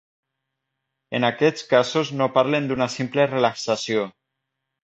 En aquests casos no parlem d’una simple relaxació.